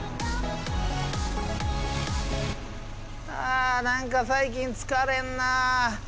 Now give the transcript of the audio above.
あ何か最近疲れんな。